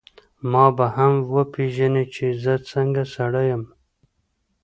ما به هم وپېژنې چي زه څنګه سړی یم.